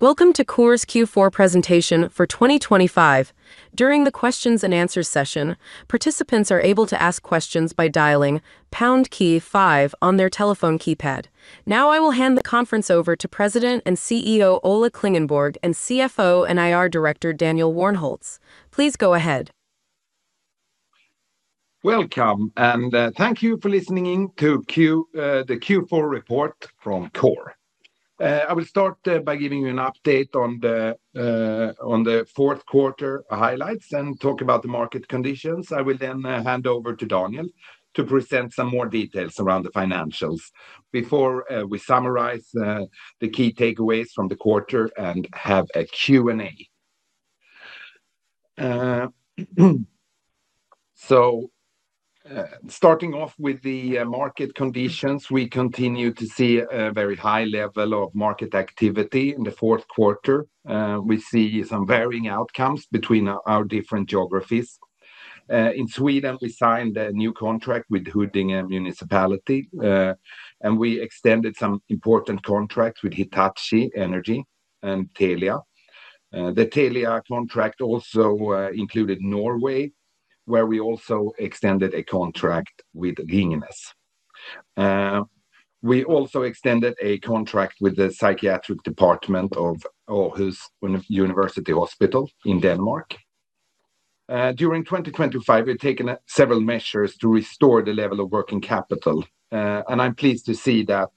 Welcome to Coor Q4 presentation for 2025. During the questions and answers session, participants are able to ask questions by dialing pound key five on their telephone keypad. Now I will hand the conference over to President and CEO Ola Klingenborg and CFO and IR Director Daniel Warnholtz. Please go ahead. Welcome, and thank you for listening in to the Q4 report from Coor. I will start by giving you an update on the fourth quarter highlights and talk about the market conditions. I will then hand over to Daniel to present some more details around the financials before we summarize the key takeaways from the quarter and have a Q&A. Starting off with the market conditions, we continue to see a very high level of market activity in the fourth quarter. We see some varying outcomes between our different geographies. In Sweden, we signed a new contract with Huddinge Municipality, and we extended some important contracts with Hitachi Energy and Telia. The Telia contract also included Norway, where we also extended a contract with Ringnes. We also extended a contract with the Psychiatric Department of Aarhus University Hospital in Denmark. During 2025, we've taken several measures to restore the level of working capital, and I'm pleased to see that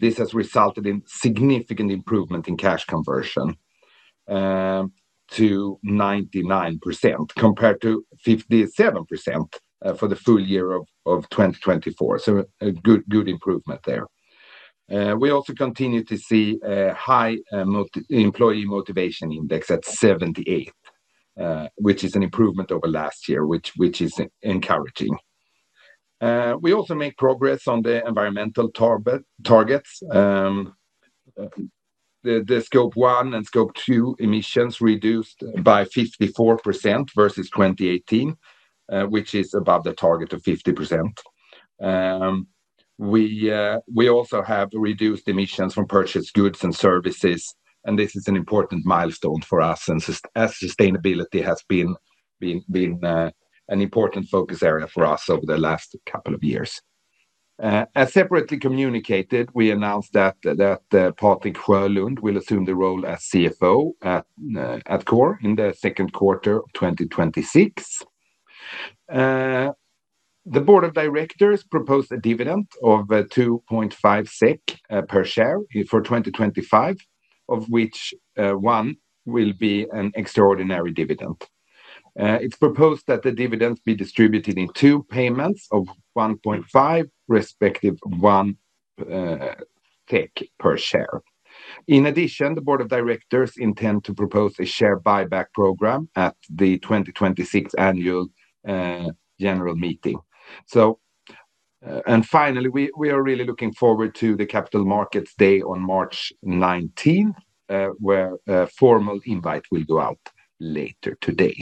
this has resulted in significant improvement in cash conversion to 99% compared to 57% for the full year of 2024, so a good improvement there. We also continue to see a high employee motivation index at 78, which is an improvement over last year, which is encouraging. We also make progress on the environmental targets. The Scope 1 and Scope 2 emissions reduced by 54% versus 2018, which is above the target of 50%. We also have reduced emissions from purchased goods and services, and this is an important milestone for us as sustainability has been an important focus area for us over the last couple of years. As separately communicated, we announced that Patrik Sjölund will assume the role as CFO at Coor in the second quarter of 2026. The board of directors proposed a dividend of 2.5 SEK per share for 2025, of which one will be an extraordinary dividend. It's proposed that the dividends be distributed in two payments of SEK 1.5, respectively 1 per share. In addition, the board of directors intend to propose a share buyback program at the 2026 annual general meeting. Finally, we are really looking forward to the Capital Markets Day on March 19, where a formal invite will go out later today.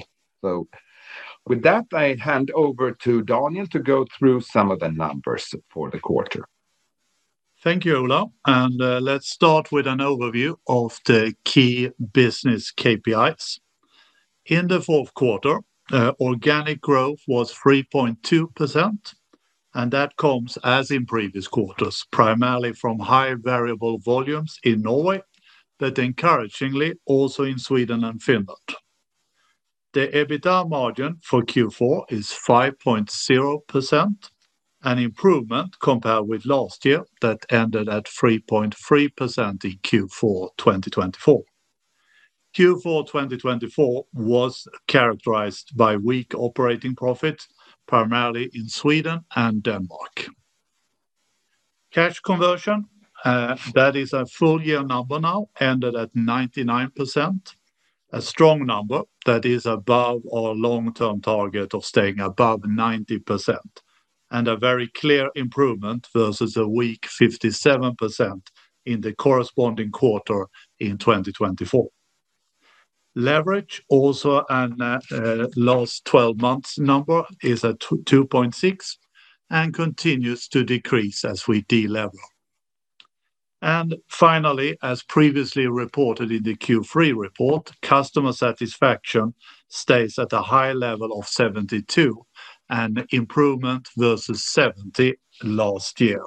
With that, I hand over to Daniel to go through some of the numbers for the quarter. Thank you, Ola. Let's start with an overview of the key business KPIs. In the fourth quarter, organic growth was 3.2%, and that comes as in previous quarters, primarily from high variable volumes in Norway but encouragingly also in Sweden and Finland. The EBITDA margin for Q4 is 5.0%, an improvement compared with last year that ended at 3.3% in Q4 2024. Q4 2024 was characterized by weak operating profits, primarily in Sweden and Denmark. Cash conversion, that is a full-year number now, ended at 99%, a strong number that is above our long-term target of staying above 90%, and a very clear improvement versus a weak 57% in the corresponding quarter in 2024. Leverage, also a last 12-month number, is at 2.6 and continues to decrease as we deleverage. Finally, as previously reported in the Q3 report, customer satisfaction stays at a high level of 72, an improvement versus 70 last year.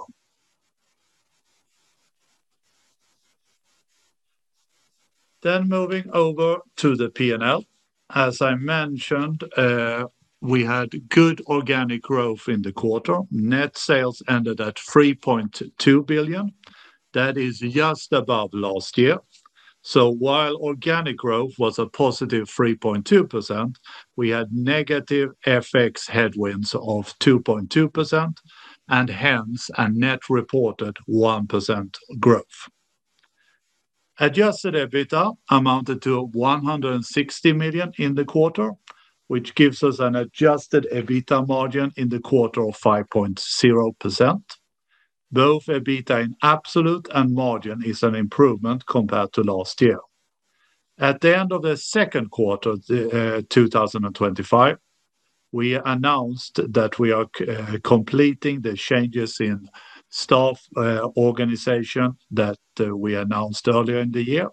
Moving over to the P&L. As I mentioned, we had good organic growth in the quarter. Net sales ended at 3.2 billion. That is just above last year. So while organic growth was a positive 3.2%, we had negative FX headwinds of 2.2% and hence a net reported 1% growth. Adjusted EBITDA amounted to 160 million in the quarter, which gives us an adjusted EBITDA margin in the quarter of 5.0%. Both EBITDA in absolute and margin is an improvement compared to last year. At the end of the second quarter 2025, we announced that we are completing the changes in staff organization that we announced earlier in the year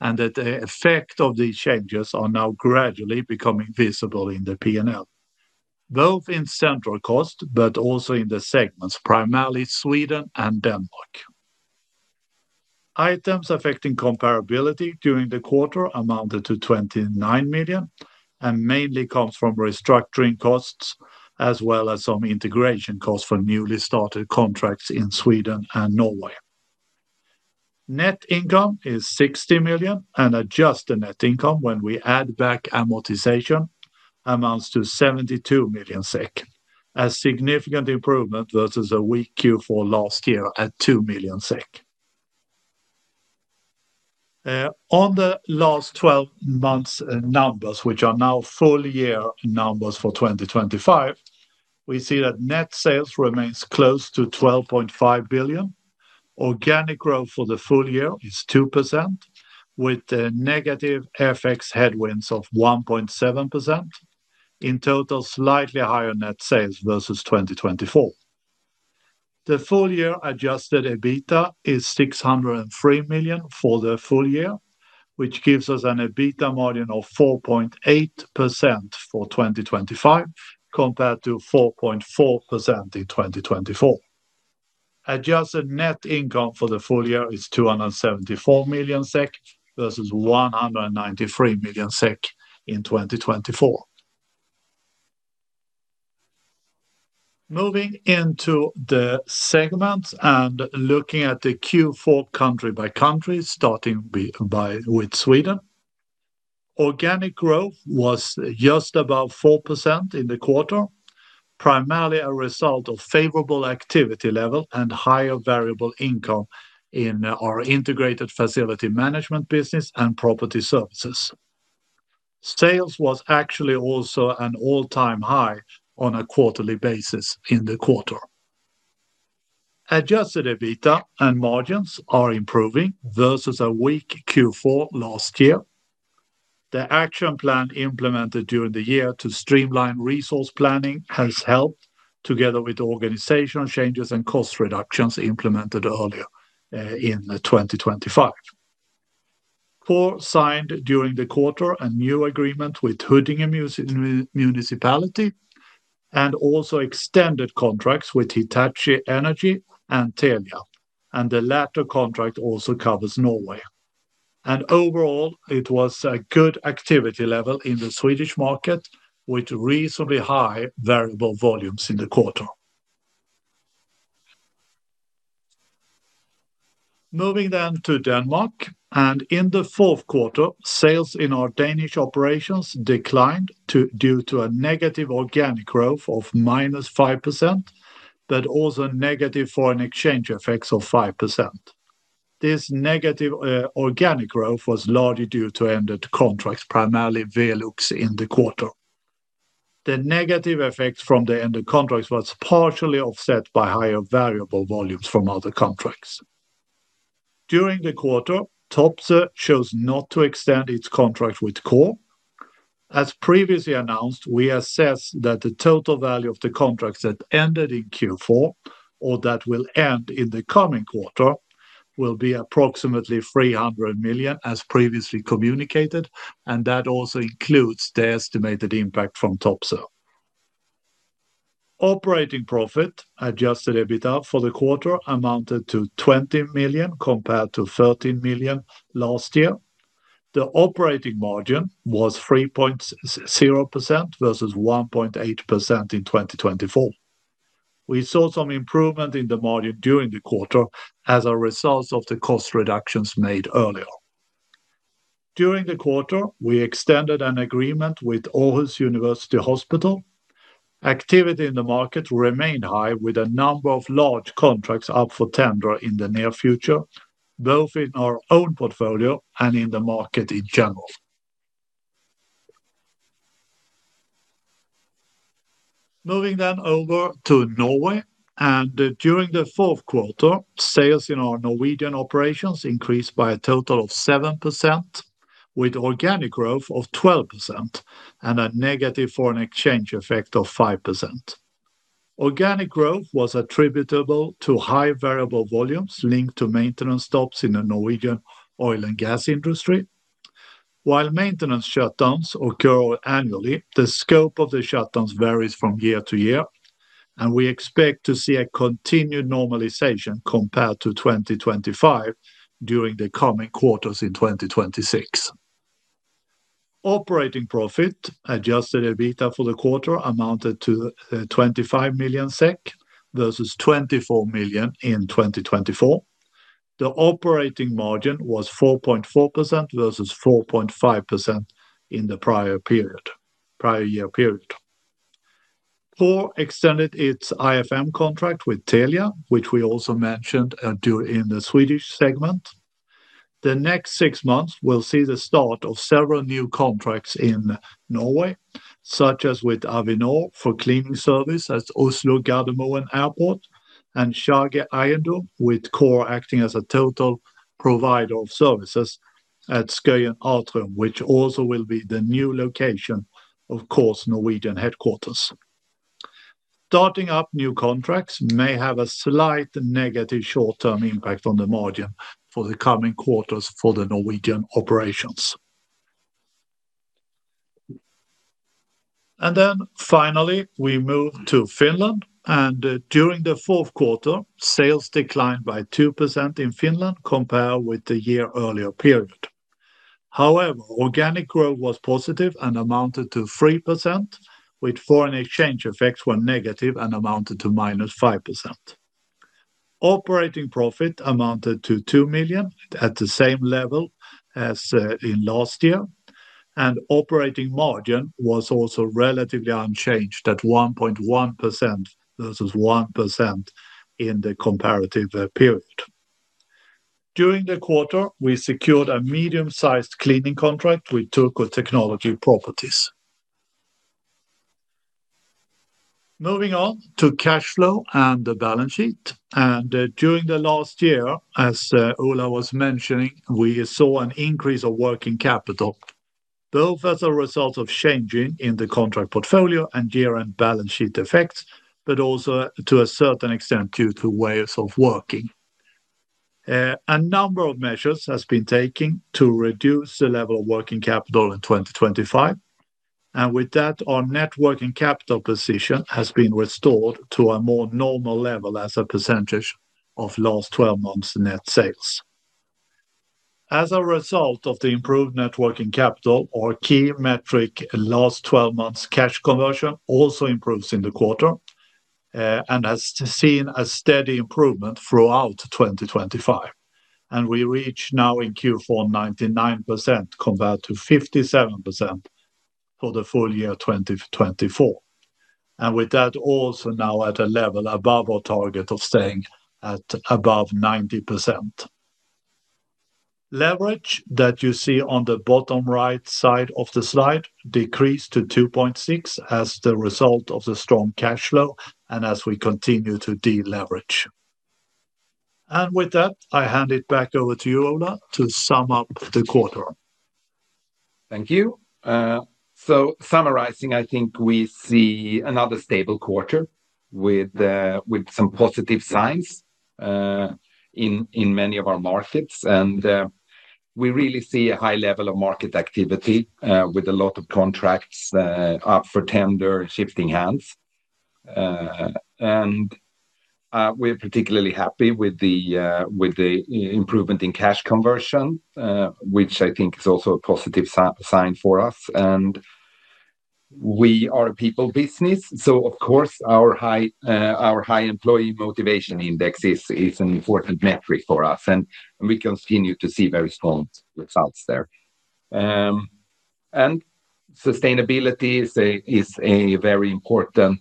and that the effect of these changes are now gradually becoming visible in the P&L, both in central cost but also in the segments, primarily Sweden and Denmark. Items affecting comparability during the quarter amounted to 29 million and mainly comes from restructuring costs as well as some integration costs for newly started contracts in Sweden and Norway. Net income is 60 million, and adjusted net income, when we add back amortization, amounts to 72 million SEK, a significant improvement versus a weak Q4 last year at 2 million SEK. On the last 12-month numbers, which are now full-year numbers for 2025, we see that net sales remain close to 12.5 billion. Organic growth for the full year is 2%, with negative FX headwinds of 1.7%, in total slightly higher net sales versus 2024. The full-year adjusted EBITDA is 603 million for the full year, which gives us an EBITDA margin of 4.8% for 2025 compared to 4.4% in 2024. Adjusted net income for the full year is 274 million SEK versus 193 million SEK in 2024. Moving into the segments and looking at the Q4 country by country, starting with Sweden. Organic growth was just above 4% in the quarter, primarily a result of favorable activity level and higher variable income in our integrated facility management business and property services. Sales was actually also an all-time high on a quarterly basis in the quarter. Adjusted EBITDA and margins are improving versus a weak Q4 last year. The action plan implemented during the year to streamline resource planning has helped, together with organizational changes and cost reductions implemented earlier in 2025. Coor signed during the quarter a new agreement with Huddinge Municipality and also extended contracts with Hitachi Energy and Telia, and the latter contract also covers Norway. Overall, it was a good activity level in the Swedish market, with reasonably high variable volumes in the quarter. Moving then to Denmark. In the fourth quarter, sales in our Danish operations declined due to a negative organic growth of -5% but also negative foreign exchange effects of 5%. This negative organic growth was largely due to ended contracts, primarily Velux, in the quarter. The negative effect from the ended contracts was partially offset by higher variable volumes from other contracts. During the quarter, Topsoe chose not to extend its contract with Coor. As previously announced, we assess that the total value of the contracts that ended in Q4, or that will end in the coming quarter, will be approximately 300 million as previously communicated, and that also includes the estimated impact from Topsoe. Operating profit, adjusted EBITDA for the quarter, amounted to 20 million compared to 13 million last year. The operating margin was 3.0% versus 1.8% in 2024. We saw some improvement in the margin during the quarter as a result of the cost reductions made earlier. During the quarter, we extended an agreement with Aarhus University Hospital. Activity in the market remained high, with a number of large contracts up for tender in the near future, both in our own portfolio and in the market in general. Moving then over to Norway. During the fourth quarter, sales in our Norwegian operations increased by a total of 7%, with organic growth of 12% and a negative foreign exchange effect of 5%. Organic growth was attributable to high variable volumes linked to maintenance stops in the Norwegian oil and gas industry. While maintenance shutdowns occur annually, the scope of the shutdowns varies from year to year, and we expect to see a continued normalization compared to 2025 during the coming quarters in 2026. Operating profit, adjusted EBITDA for the quarter, amounted to 25 million SEK versus 24 million in 2024. The operating margin was 4.4% versus 4.5% in the prior year period. Coor extended its IFM contract with Telia, which we also mentioned in the Swedish segment. The next six months will see the start of several new contracts in Norway, such as with Avinor for cleaning services at Oslo Gardermoen Airport and Schage Eiendom, with Coor acting as a total provider of services at Skøyen Atrium, which also will be the new location of Coor's Norwegian headquarters. Starting up new contracts may have a slight negative short-term impact on the margin for the coming quarters for the Norwegian operations. And then, finally, we move to Finland. During the fourth quarter, sales declined by 2% in Finland compared with the year earlier period. However, organic growth was positive and amounted to 3%, with foreign exchange effects were negative and amounted to -5%. Operating profit amounted to 2 million, at the same level as in last year, and operating margin was also relatively unchanged at 1.1% versus 1% in the comparative period. During the quarter, we secured a medium-sized cleaning contract with Turku Technology Properties. Moving on to cash flow and the balance sheet. During the last year, as Ola was mentioning, we saw an increase of working capital, both as a result of changing in the contract portfolio and year-end balance sheet effects, but also to a certain extent due to ways of working. A number of measures have been taken to reduce the level of working capital in 2025, and with that, our net working capital position has been restored to a more normal level as a percentage of last 12 months' net sales. As a result of the improved net working capital, our key metric last 12 months' cash conversion also improves in the quarter and has seen a steady improvement throughout 2025, and we reach now in Q4 99% compared to 57% for the full year 2024, and with that also now at a level above our target of staying at above 90%. Leverage that you see on the bottom right side of the slide decreased to 2.6% as the result of the strong cash flow and as we continue to deleverage. And with that, I hand it back over to you, Ola, to sum up the quarter. Thank you. So, summarizing, I think we see another stable quarter with some positive signs in many of our markets, and we really see a high level of market activity with a lot of contracts up for tender shifting hands. And we're particularly happy with the improvement in cash conversion, which I think is also a positive sign for us. And we are a people business, so of course our high employee motivation index is an important metric for us, and we continue to see very strong results there. And sustainability is a very important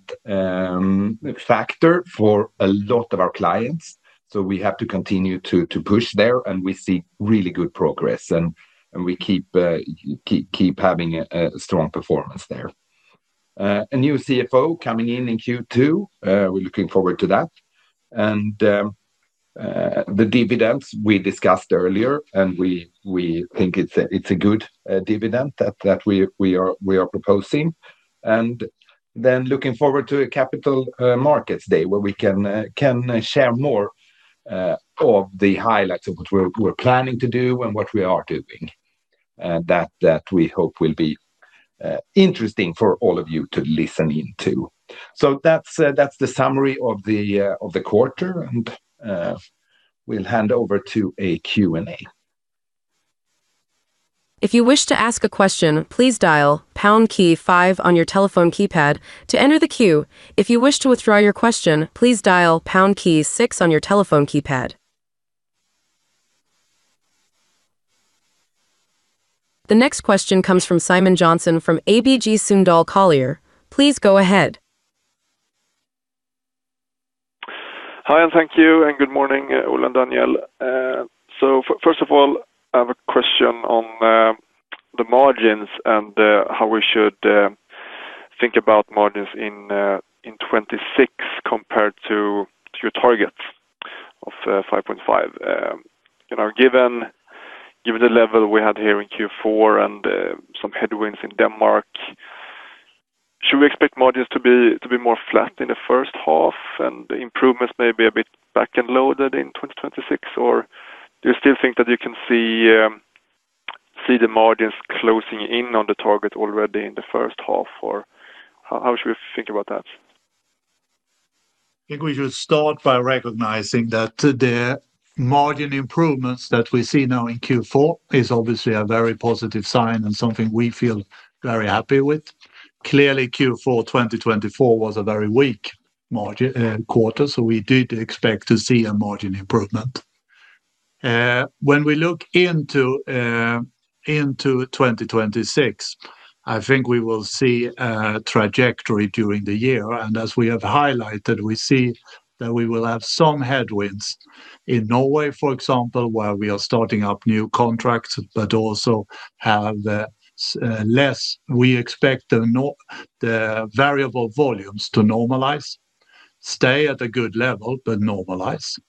factor for a lot of our clients, so we have to continue to push there, and we see really good progress, and we keep having a strong performance there. A new CFO coming in in Q2, we're looking forward to that. The dividends, we discussed earlier, and we think it's a good dividend that we are proposing. Then looking forward to a Capital Markets Day where we can share more of the highlights of what we're planning to do and what we are doing, that we hope will be interesting for all of you to listen into. That's the summary of the quarter, and we'll hand over to a Q&A. If you wish to ask a question, please dial pound key five on your telephone keypad to enter the queue. If you wish to withdraw your question, please dial pound key six on your telephone keypad. The next question comes from Simon Jönsson from ABG Sundal Collier. Please go ahead. Hi, and thank you, and good morning, Ola and Daniel. So first of all, I have a question on the margins and how we should think about margins in 2026 compared to your targets of 5.5%. Given the level we had here in Q4 and some headwinds in Denmark, should we expect margins to be more flat in the first half and improvements maybe a bit back-and-loaded in 2026, or do you still think that you can see the margins closing in on the target already in the first half, or how should we think about that? I think we should start by recognizing that the margin improvements that we see now in Q4 are obviously a very positive sign and something we feel very happy with. Clearly, Q4 2024 was a very weak quarter, so we did expect to see a margin improvement. When we look into 2026, I think we will see a trajectory during the year, and as we have highlighted, we see that we will have some headwinds. In Norway, for example, where we are starting up new contracts but also have less, we expect the variable volumes to normalize, stay at a good level but normalize.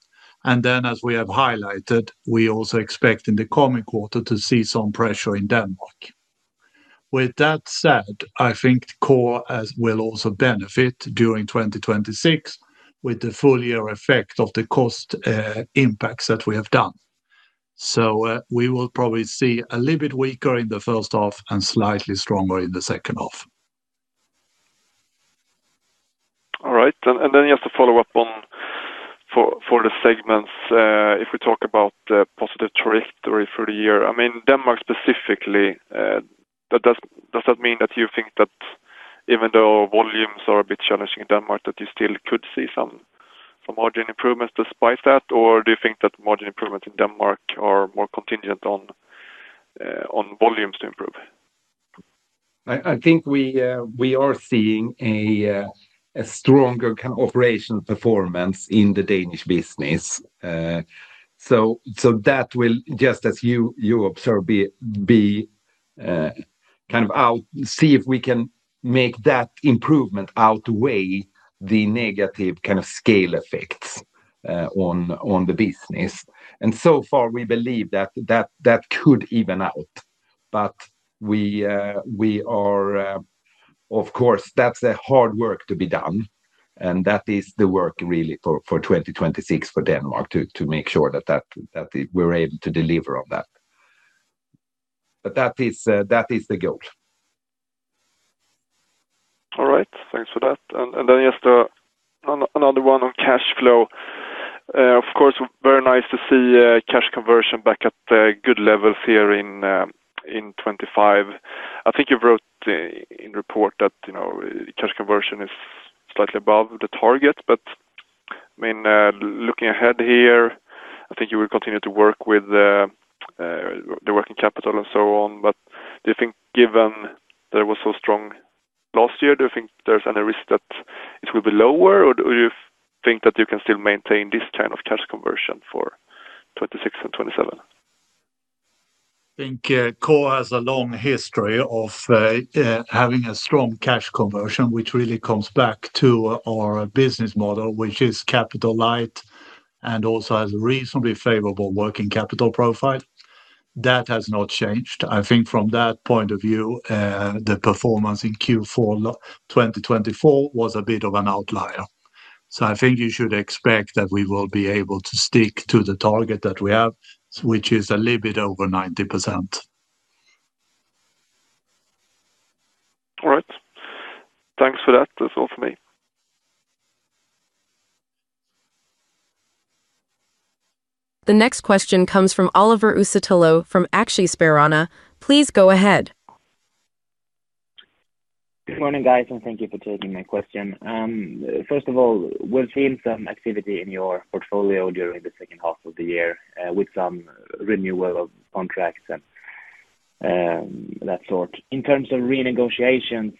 Then, as we have highlighted, we also expect in the coming quarter to see some pressure in Denmark. With that said, I think Coor will also benefit during 2026 with the full-year effect of the cost impacts that we have done. So we will probably see a little bit weaker in the first half and slightly stronger in the second half. All right, and then just to follow up on the segments, if we talk about the positive trajectory for the year, I mean, Denmark specifically, does that mean that you think that even though volumes are a bit challenging in Denmark, that you still could see some margin improvements despite that, or do you think that margin improvements in Denmark are more contingent on volumes to improve? I think we are seeing a stronger kind of operational performance in the Danish business. So that will, just as you observe, be kind of out to see if we can make that improvement outweigh the negative kind of scale effects on the business. And so far, we believe that could even out, but we are of course that's hard work to be done, and that is the work really for 2026 for Denmark, to make sure that we're able to deliver on that. But that is the goal. All right, thanks for that. And then just another one on cash flow. Of course, very nice to see cash conversion back at good levels here in 2025. I think you wrote in the report that cash conversion is slightly above the target, but looking ahead here, I think you will continue to work with the working capital and so on. But do you think, given that it was so strong last year, do you think there's any risk that it will be lower, or do you think that you can still maintain this kind of cash conversion for 2026 and 2027? I think Coor has a long history of having a strong cash conversion, which really comes back to our business model, which is capital light and also has a reasonably favorable working capital profile. That has not changed. I think from that point of view, the performance in Q4 2024 was a bit of an outlier. So I think you should expect that we will be able to stick to the target that we have, which is a little bit over 90%. All right, thanks for that. That's all from me. The next question comes from Olli Uusitalo from Aktia Bank. Please go ahead. Good morning, guys, and thank you for taking my question. First of all, we've seen some activity in your portfolio during the second half of the year with some renewal of contracts and that sort. In terms of renegotiations,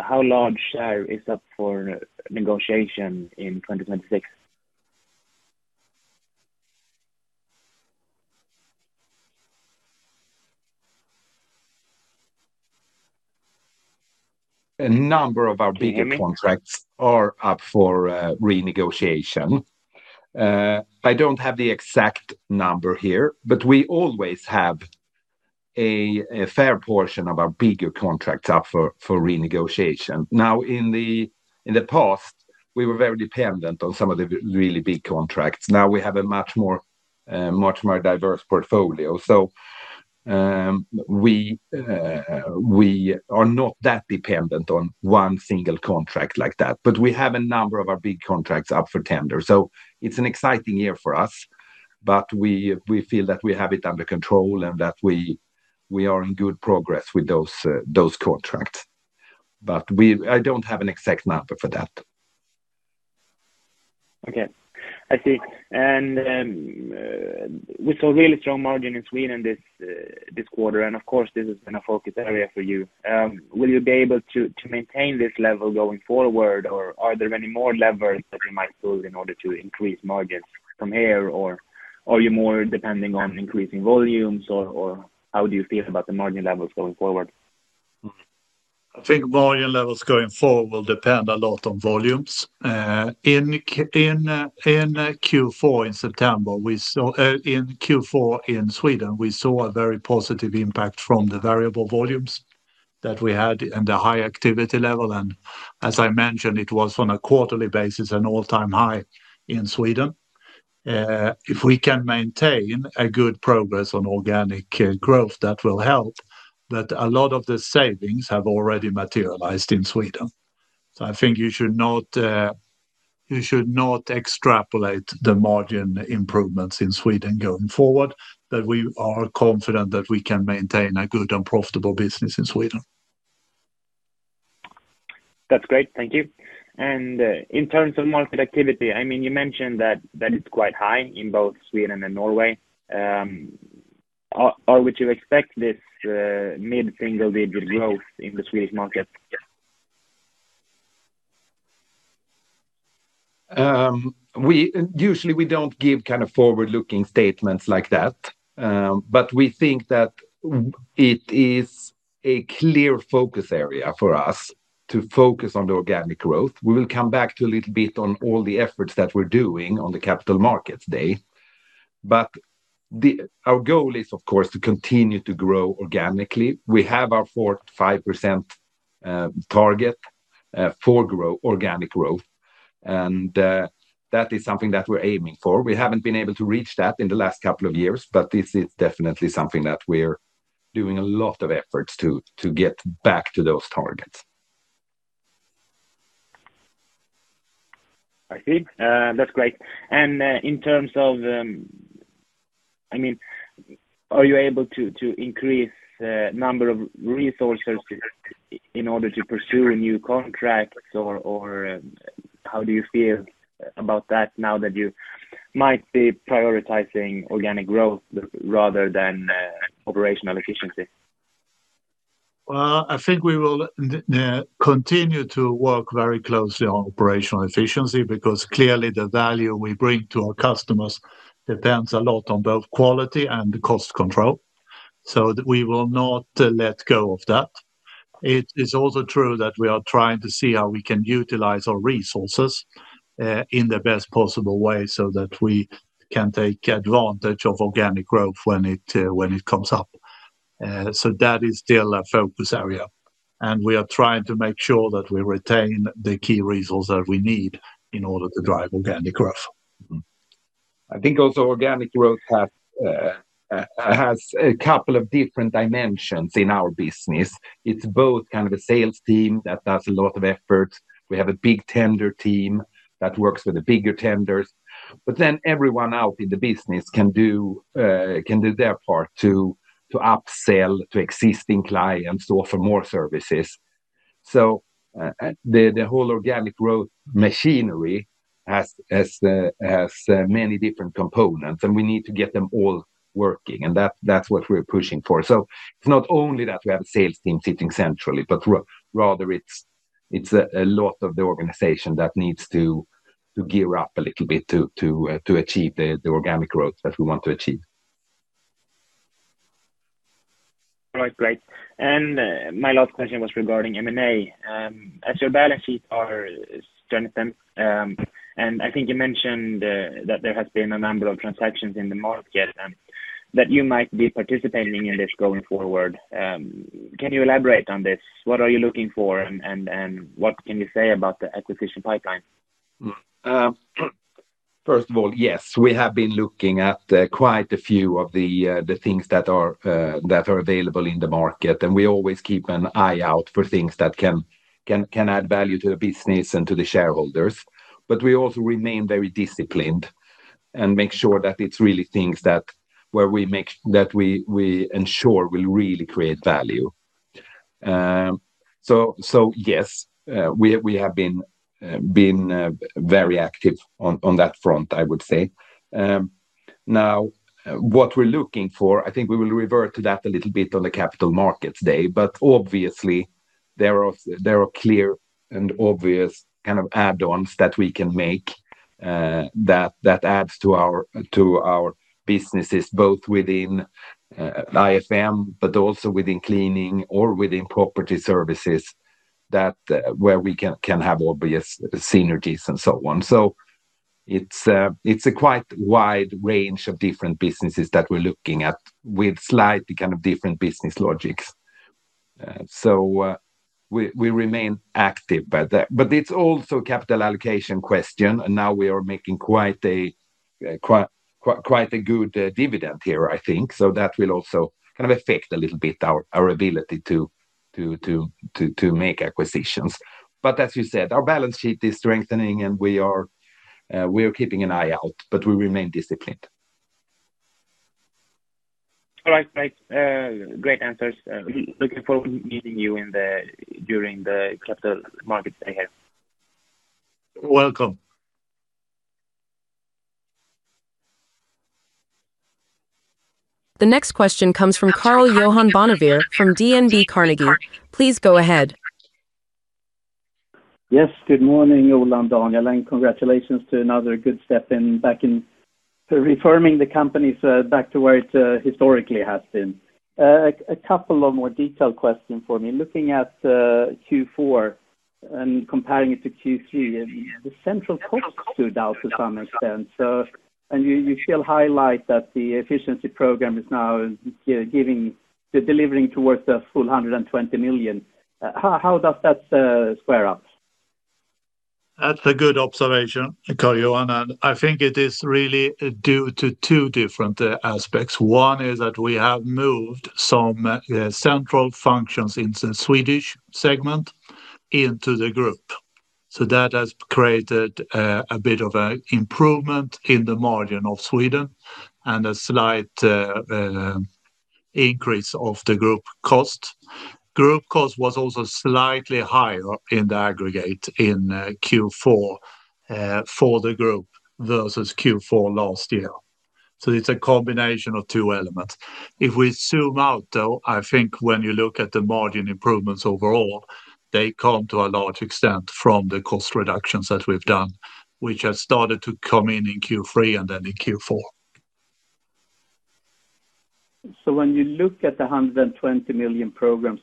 how large is up for negotiation in 2026? A number of our bigger contracts are up for renegotiation. I don't have the exact number here, but we always have a fair portion of our bigger contracts up for renegotiation. Now, in the past, we were very dependent on some of the really big contracts. Now we have a much more diverse portfolio, so we are not that dependent on one single contract like that. But we have a number of our big contracts up for tender, so it's an exciting year for us, but we feel that we have it under control and that we are in good progress with those contracts. But I don't have an exact number for that. Okay, I see. And with a really strong margin in Sweden this quarter, and of course this is a focus area for you, will you be able to maintain this level going forward, or are there any more levers that you might pull in order to increase margins from here, or are you more depending on increasing volumes, or how do you feel about the margin levels going forward? I think margin levels going forward will depend a lot on volumes. In Q4 in September, we saw in Q4 in Sweden a very positive impact from the variable volumes that we had and the high activity level. And as I mentioned, it was on a quarterly basis an all-time high in Sweden. If we can maintain a good progress on organic growth, that will help. But a lot of the savings have already materialized in Sweden. So I think you should not extrapolate the margin improvements in Sweden going forward, but we are confident that we can maintain a good and profitable business in Sweden. That's great, thank you. And in terms of market activity, I mean, you mentioned that it's quite high in both Sweden and Norway. Or would you expect this mid-single-digit growth in the Swedish market? Usually, we don't give kind of forward-looking statements like that, but we think that it is a clear focus area for us to focus on the organic growth. We will come back to a little bit on all the efforts that we're doing on the Capital Markets Day. But our goal is, of course, to continue to grow organically. We have our 45% target for organic growth, and that is something that we're aiming for. We haven't been able to reach that in the last couple of years, but this is definitely something that we're doing a lot of efforts to get back to those targets. I see. That's great. And in terms of, I mean, are you able to increase the number of resources in order to pursue new contracts, or how do you feel about that now that you might be prioritizing organic growth rather than operational efficiency? Well, I think we will continue to work very closely on operational efficiency because clearly the value we bring to our customers depends a lot on both quality and cost control. So we will not let go of that. It is also true that we are trying to see how we can utilize our resources in the best possible way so that we can take advantage of organic growth when it comes up. So that is still a focus area, and we are trying to make sure that we retain the key resources that we need in order to drive organic growth. I think also organic growth has a couple of different dimensions in our business. It's both kind of a sales team that does a lot of effort. We have a big tender team that works with the bigger tenders. But then everyone out in the business can do their part to upsell to existing clients to offer more services. So the whole organic growth machinery has many different components, and we need to get them all working, and that's what we're pushing for. So it's not only that we have a sales team sitting centrally, but rather it's a lot of the organization that needs to gear up a little bit to achieve the organic growth that we want to achieve. All right, great. My last question was regarding M&A. As your balance sheets are turned in, and I think you mentioned that there has been a number of transactions in the market and that you might be participating in this going forward. Can you elaborate on this? What are you looking for, and what can you say about the acquisition pipeline? First of all, yes, we have been looking at quite a few of the things that are available in the market, and we always keep an eye out for things that can add value to the business and to the shareholders. But we also remain very disciplined and make sure that it's really things that where we ensure will really create value. So yes, we have been very active on that front, I would say. Now, what we're looking for, I think we will revert to that a little bit on the Capital Markets Day, but obviously, there are clear and obvious kind of add-ons that we can make that add to our businesses, both within IFM but also within cleaning or within property services, where we can have obvious synergies and so on. So it's a quite wide range of different businesses that we're looking at with slightly kind of different business logics. So we remain active, but it's also a capital allocation question, and now we are making quite a good dividend here, I think, so that will also kind of affect a little bit our ability to make acquisitions. But as you said, our balance sheet is strengthening, and we are keeping an eye out, but we remain disciplined. All right, great. Great answers. Looking forward to meeting you during the Capital Markets Day here. Welcome. The next question comes from Karl-Johan Bonnevier from DNB Markets. Please go ahead. Yes, good morning, Ola and Daniel, and congratulations to another good step back in refirming the company back to where it historically has been. A couple of more detailed questions for me. Looking at Q4 and comparing it to Q3, the central cost stood out to some extent, and you still highlight that the efficiency program is now delivering towards the full 120 million. How does that square up? That's a good observation, Karl-Johan, and I think it is really due to two different aspects. One is that we have moved some central functions in the Swedish segment into the group. So that has created a bit of an improvement in the margin of Sweden and a slight increase of the group cost. Group cost was also slightly higher in the aggregate in Q4 for the group versus Q4 last year. So it's a combination of two elements. If we zoom out, though, I think when you look at the margin improvements overall, they come to a large extent from the cost reductions that we've done, which have started to come in in Q3 and then in Q4. So when you look at the 120 million programs,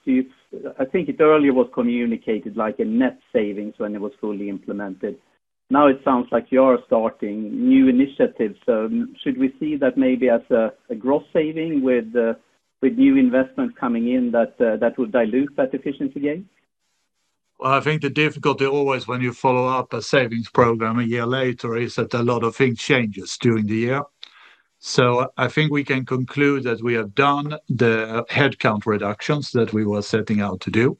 I think it earlier was communicated like a net savings when it was fully implemented. Now it sounds like you are starting new initiatives. So should we see that maybe as a gross saving with new investments coming in that would dilute that efficiency gain? Well, I think the difficulty always when you follow up a savings program a year later is that a lot of things changes during the year. So I think we can conclude that we have done the headcount reductions that we were setting out to do.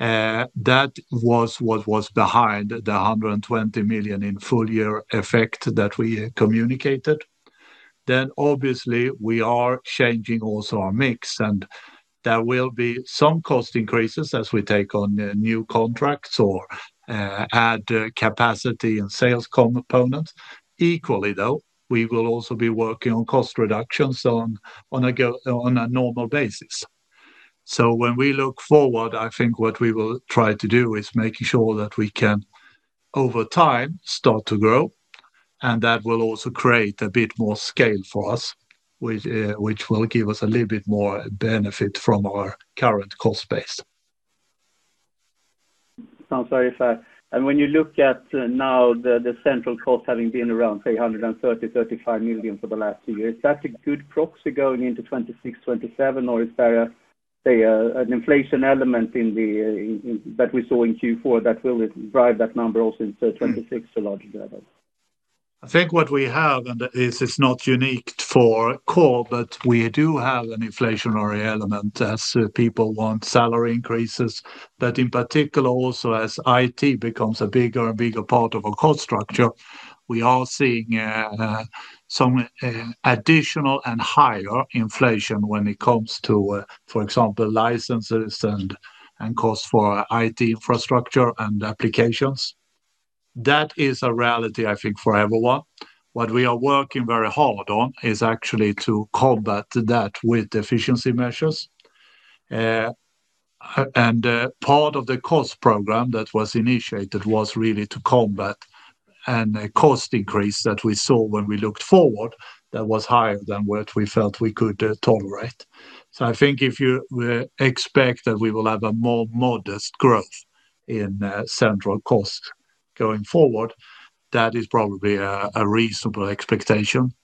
That was what was behind the 120 million in full-year effect that we communicated. Then obviously, we are changing also our mix, and there will be some cost increases as we take on new contracts or add capacity and sales components. Equally, though, we will also be working on cost reductions on a normal basis. So when we look forward, I think what we will try to do is making sure that we can, over time, start to grow, and that will also create a bit more scale for us, which will give us a little bit more benefit from our current cost base. Sounds very fair. And when you look at now the central cost having been around, say, 130-135 million for the last year, is that a good proxy going into 2026, 2027, or is there, say, an inflation element that we saw in Q4 that will drive that number also into 2026 to larger levels? I think what we have, and this is not unique for Coor, but we do have an inflationary element as people want salary increases. But in particular, also as IT becomes a bigger and bigger part of our cost structure, we are seeing some additional and higher inflation when it comes to, for example, licenses and costs for IT infrastructure and applications. That is a reality, I think, for everyone. What we are working very hard on is actually to combat that with efficiency measures. And part of the cost program that was initiated was really to combat a cost increase that we saw when we looked forward that was higher than what we felt we could tolerate. So I think if you expect that we will have a more modest growth in central costs going forward, that is probably a reasonable expectation.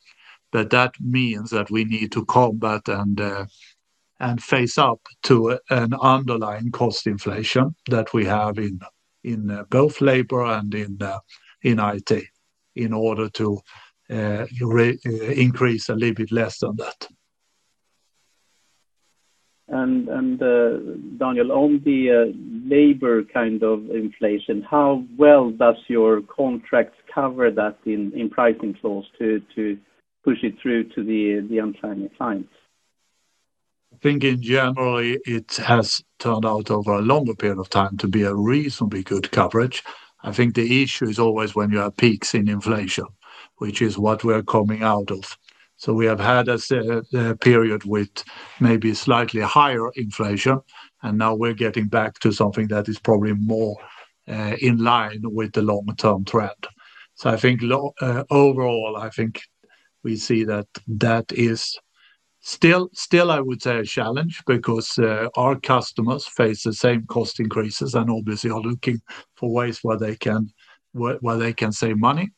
That means that we need to combat and face up to an underlying cost inflation that we have in both labor and in IT in order to increase a little bit less than that. Daniel, on the labor kind of inflation, how well does your contract cover that in pricing clause to push it through to the end clients? I think in general, it has turned out over a longer period of time to be a reasonably good coverage. I think the issue is always when you have peaks in inflation, which is what we are coming out of. So we have had a period with maybe slightly higher inflation, and now we're getting back to something that is probably more in line with the long-term trend. So overall, I think we see that that is still, I would say, a challenge because our customers face the same cost increases and obviously are looking for ways where they can save money.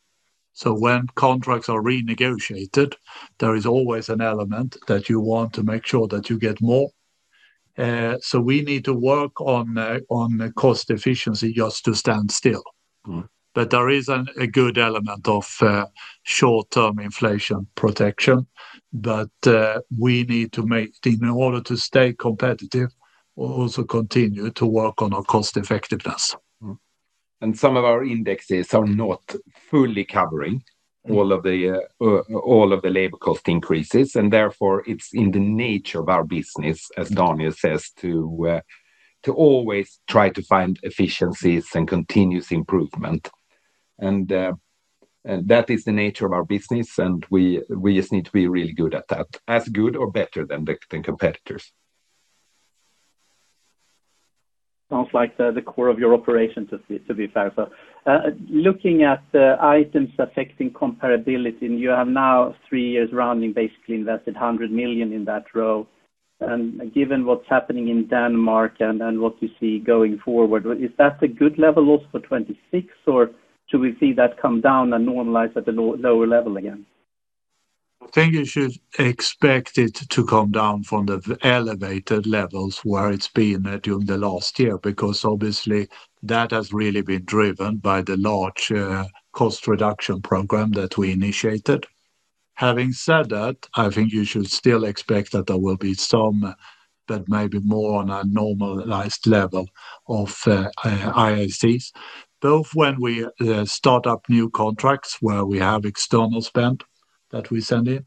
So when contracts are renegotiated, there is always an element that you want to make sure that you get more. So we need to work on cost efficiency just to stand still. But there is a good element of short-term inflation protection, but we need to, in order to stay competitive, also continue to work on our cost effectiveness. Some of our indexes are not fully covering all of the labor cost increases, and therefore it's in the nature of our business, as Daniel says, to always try to find efficiencies and continuous improvement. That is the nature of our business, and we just need to be really good at that, as good or better than competitors. Sounds like the core of your operations, to be fair. Looking at items affecting comparability, you have now three years running, basically invested 100 million in that row. Given what's happening in Denmark and what you see going forward, is that a good level also for 2026, or should we see that come down and normalize at the lower level again? I think you should expect it to come down from the elevated levels where it's been during the last year because obviously, that has really been driven by the large cost reduction program that we initiated. Having said that, I think you should still expect that there will be some, but maybe more on a normalized level, of IACs, both when we start up new contracts where we have external spend that we send in.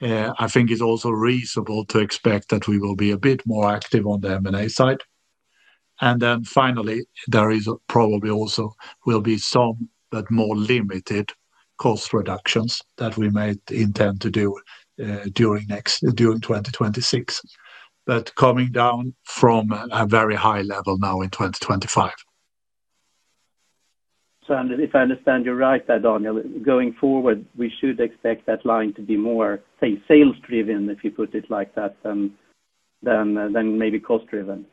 I think it's also reasonable to expect that we will be a bit more active on the M&A side. And then finally, there probably also will be some, but more limited, cost reductions that we intend to do during 2026, but coming down from a very high level now in 2025. So if I understand you're right there, Daniel, going forward, we should expect that line to be more, say, sales-driven, if you put it like that, than maybe cost-driven?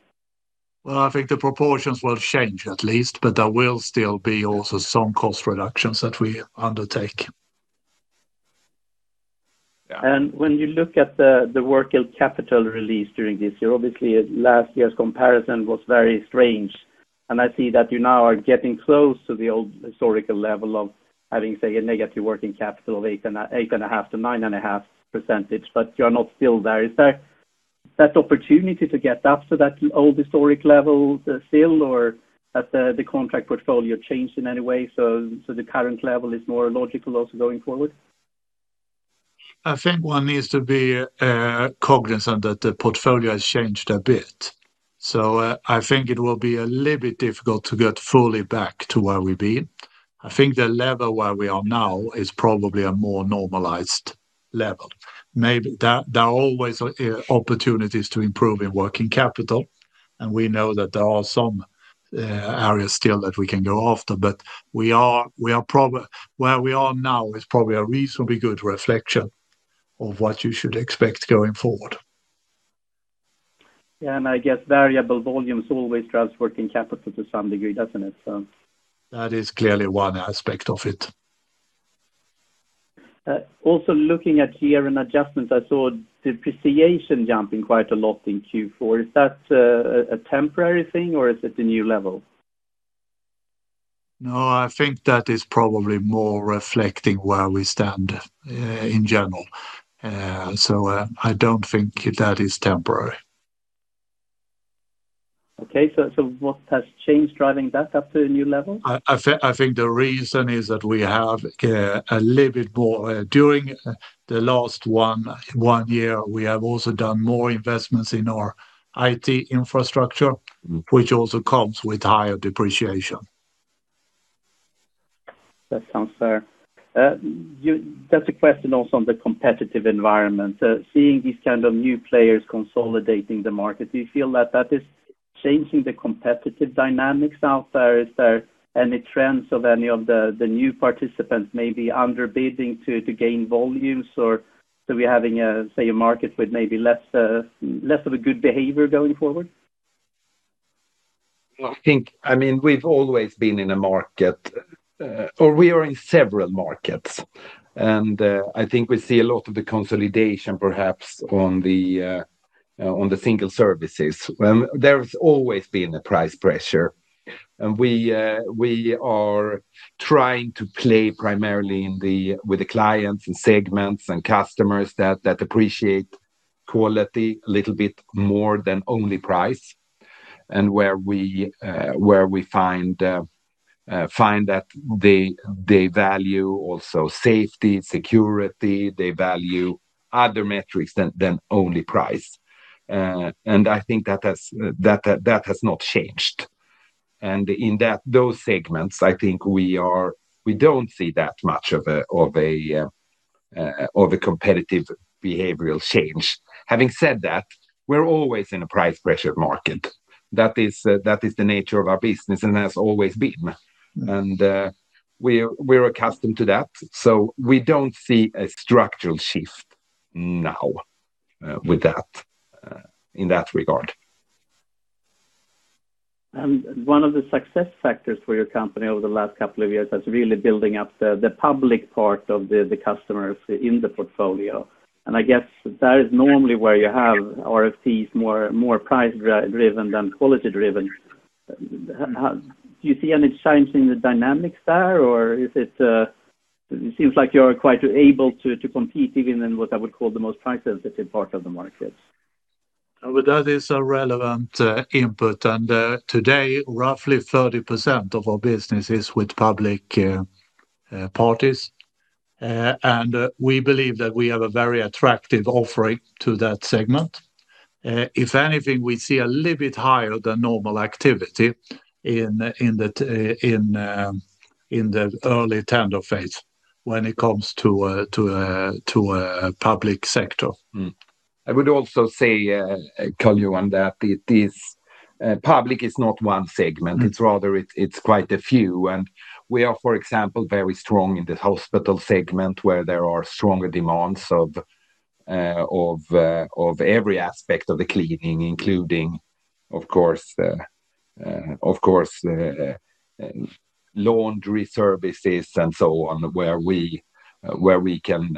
Well, I think the proportions will change at least, but there will still be also some cost reductions that we undertake. When you look at the working capital released during this year, obviously, last year's comparison was very strange, and I see that you now are getting close to the old historical level of having, say, a negative working capital of 8.5%-9.5%, but you are not still there. Is there that opportunity to get up to that old historic level still, or has the contract portfolio changed in any way so the current level is more logical also going forward? I think one needs to be cognizant that the portfolio has changed a bit. I think it will be a little bit difficult to get fully back to where we've been. I think the level where we are now is probably a more normalized level. There are always opportunities to improve in working capital, and we know that there are some areas still that we can go after, but where we are now is probably a reasonably good reflection of what you should expect going forward. Yeah, and I guess variable volume always drives working capital to some degree, doesn't it? That is clearly one aspect of it. Also, looking at year-end adjustments, I saw depreciation jumping quite a lot in Q4. Is that a temporary thing, or is it a new level? No, I think that is probably more reflecting where we stand in general. So I don't think that is temporary. Okay, so what has changed driving that up to a new level? I think the reason is that we have a little bit more during the last one year. We have also done more investments in our IT infrastructure, which also comes with higher depreciation. That sounds fair. That's a question also on the competitive environment. Seeing these kind of new players consolidating the market, do you feel that that is changing the competitive dynamics out there? Is there any trends of any of the new participants maybe underbidding to gain volumes, or are we having, say, a market with maybe less of a good behavior going forward? I mean, we've always been in a market, or we are in several markets, and I think we see a lot of the consolidation, perhaps, on the single services. There's always been a price pressure, and we are trying to play primarily with the clients and segments and customers that appreciate quality a little bit more than only price, and where we find that they value also safety, security, they value other metrics than only price. And I think that has not changed. And in those segments, I think we don't see that much of a competitive behavioral change. Having said that, we're always in a price-pressured market. That is the nature of our business and has always been, and we're accustomed to that. So we don't see a structural shift now with that in that regard. One of the success factors for your company over the last couple of years has really been building up the public part of the customers in the portfolio. I guess that is normally where you have RFPs, more price-driven than quality-driven. Do you see any change in the dynamics there, or it seems like you are quite able to compete even in what I would call the most price-sensitive part of the market? Well, that is a relevant input. Today, roughly 30% of our business is with public parties, and we believe that we have a very attractive offering to that segment. If anything, we see a little bit higher than normal activity in the early tender phase when it comes to a public sector. I would also say, Karl-Johan, that public is not one segment. It's quite a few. We are, for example, very strong in the hospital segment where there are stronger demands of every aspect of the cleaning, including, of course, laundry services and so on, where we can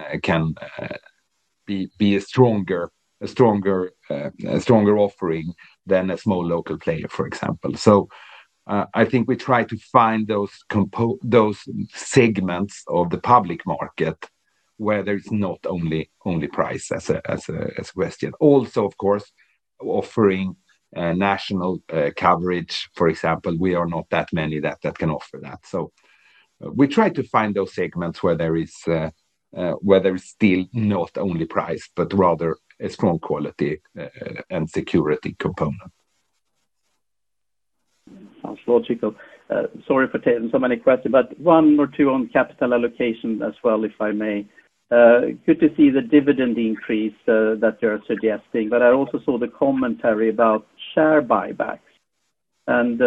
be a stronger offering than a small local player, for example. I think we try to find those segments of the public market where there's not only price as a question. Also, of course, offering national coverage, for example, we are not that many that can offer that. We try to find those segments where there is still not only price, but rather a strong quality and security component. Sounds logical. Sorry for taking so many questions, but one or two on capital allocation as well, if I may. Good to see the dividend increase that you're suggesting, but I also saw the commentary about share buybacks and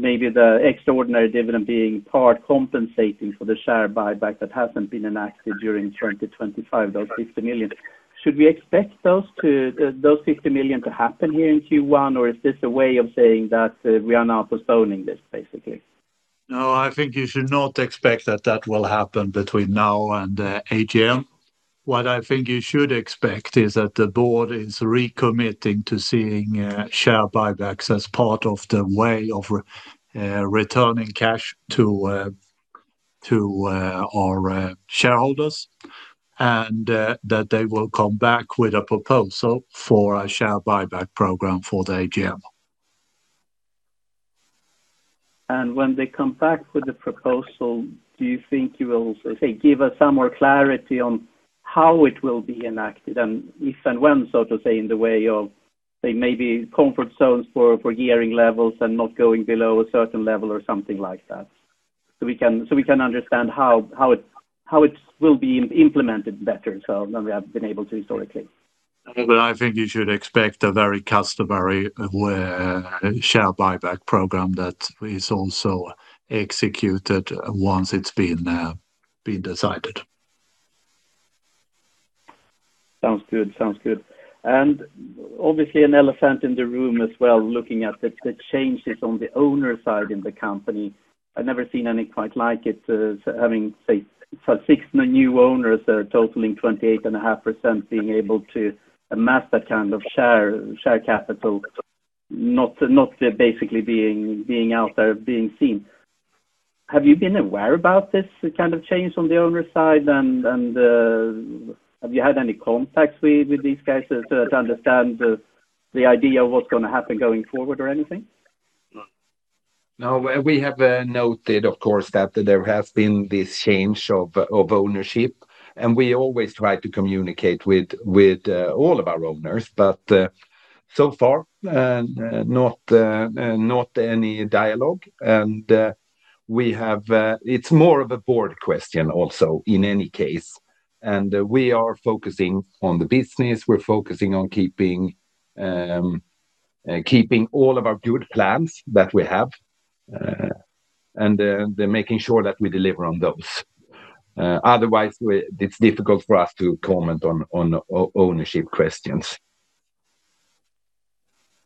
maybe the extraordinary dividend being part compensating for the share buyback that hasn't been enacted during 2025, those 50 million. Should we expect those 50 million to happen here in Q1, or is this a way of saying that we are now postponing this, basically? No, I think you should not expect that that will happen between now and AGM. What I think you should expect is that the board is recommitting to seeing share buybacks as part of the way of returning cash to our shareholders, and that they will come back with a proposal for a share buyback program for the AGM. When they come back with the proposal, do you think you will, say, give us some more clarity on how it will be enacted and if and when, so to say, in the way of, say, maybe comfort zones for earnings levels and not going below a certain level or something like that, so we can understand how it will be implemented better than we have been able to historically? I think you should expect a very customary share buyback program that is also executed once it's been decided. Sounds good. Sounds good. And obviously, an elephant in the room as well, looking at the changes on the owner side in the company. I've never seen any quite like it, having, say, six new owners totaling 28.5% being able to amass that kind of share capital, not basically being out there, being seen. Have you been aware about this kind of change on the owner side, and have you had any contacts with these guys to understand the idea of what's going to happen going forward or anything? No, we have noted, of course, that there has been this change of ownership, and we always try to communicate with all of our owners, but so far, not any dialogue. And it's more of a board question also, in any case. And we are focusing on the business. We're focusing on keeping all of our good plans that we have and making sure that we deliver on those. Otherwise, it's difficult for us to comment on ownership questions.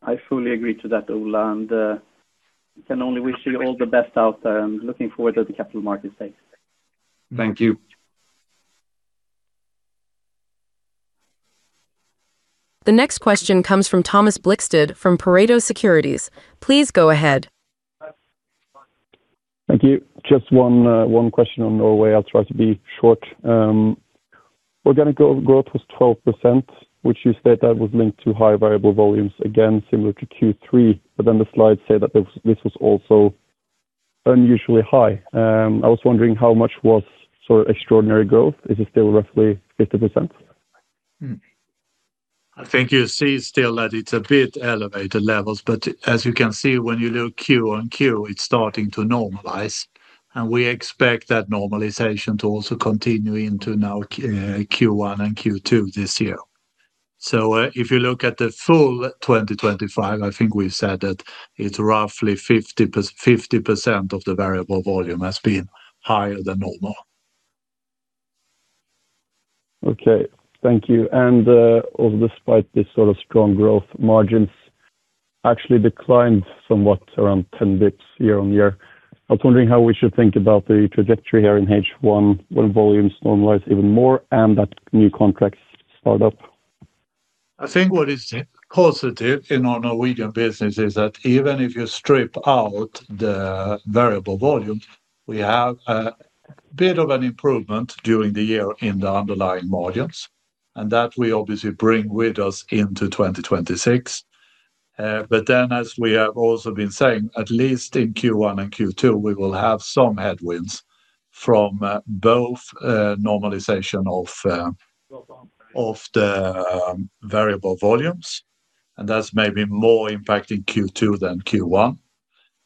I fully agree to that, Ola, and I can only wish you all the best out there and looking forward to the Capital Markets Days. Thank you. The next question comes from Thomas Blikstad from Pareto Securities. Please go ahead. Thank you. Just one question on Norway. I'll try to be short. Organic growth was 12%, which you state that was linked to high variable volumes, again, similar to Q3, but then the slides say that this was also unusually high. I was wondering how much was sort of extraordinary growth? Is it still roughly 50%? I think you see still that it's a bit elevated levels, but as you can see, when you look Q on Q, it's starting to normalize, and we expect that normalization to also continue into now Q1 and Q2 this year. So if you look at the full 2025, I think we've said that it's roughly 50% of the variable volume has been higher than normal. Okay, thank you. Also, despite this sort of strong growth, margins actually declined somewhat around 10 basis points year-over-year. I was wondering how we should think about the trajectory here in H1 when volumes normalize even more and that new contracts start up. I think what is positive in our Norwegian business is that even if you strip out the variable volumes, we have a bit of an improvement during the year in the underlying margins, and that we obviously bring with us into 2026. But then, as we have also been saying, at least in Q1 and Q2, we will have some headwinds from both normalization of the variable volumes, and that's maybe more impacting Q2 than Q1,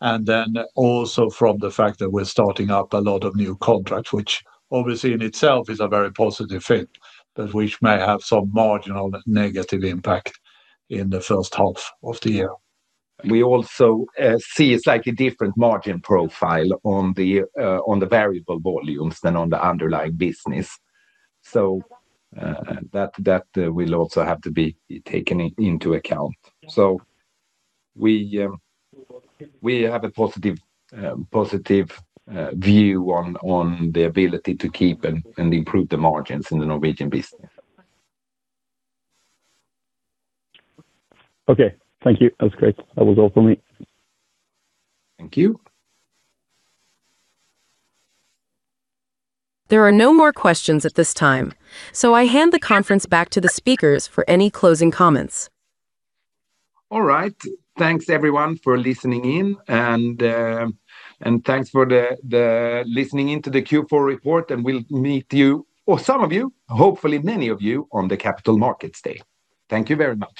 and then also from the fact that we're starting up a lot of new contracts, which obviously in itself is a very positive thing, but which may have some marginal negative impact in the first half of the year. We also see it's like a different margin profile on the variable volumes than on the underlying business, so that will also have to be taken into account. So we have a positive view on the ability to keep and improve the margins in the Norwegian business. Okay, thank you. That was great. That was all from me. Thank you. There are no more questions at this time, so I hand the conference back to the speakers for any closing comments. All right. Thanks, everyone, for listening in, and thanks for listening into the Q4 report, and we'll meet you, or some of you, hopefully many of you, on the Capital Markets Day. Thank you very much.